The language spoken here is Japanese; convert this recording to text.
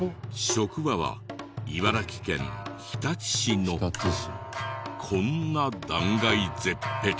職場は茨城県日立市のこんな断崖絶壁。